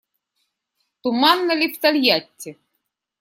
Туманно ли в Тольятти?